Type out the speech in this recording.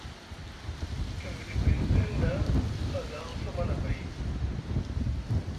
E miɗi piŋ seŋ ɗa a za aŋ sama nʼabay.